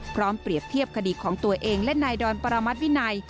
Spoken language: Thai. เปรียบเทียบคดีของตัวเองและนายดอนประมัติวินัย